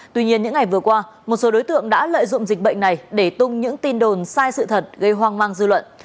tuy nhiên những ngày vừa qua một số đối tượng đã lợi dụng dịch bệnh này để tung những tin đồn sai sự thật gây hoang mang dư luận